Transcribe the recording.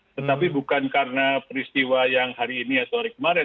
tetapi bukan karena peristiwa yang hari ini atau hari kemarin